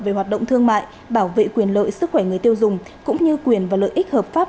về hoạt động thương mại bảo vệ quyền lợi sức khỏe người tiêu dùng cũng như quyền và lợi ích hợp pháp